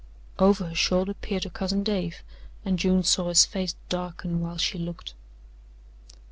Over her shoulder peered her cousin Dave, and June saw his face darken while she looked.